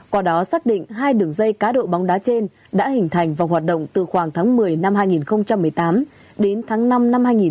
qua đó xác định hai đường dây cá độ bóng đá trên đã hình thành và hoạt động từ khoảng tháng một mươi năm hai nghìn một mươi tám đến tháng năm năm hai nghìn một mươi chín